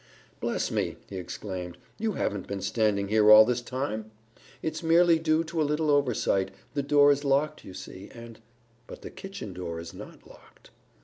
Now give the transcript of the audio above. "Bless me!" he exclaimed. "You haven't been standing here all this time?" "It's merely due to a little oversight. The door is locked, you see, and " "But the kitchen door is not locked."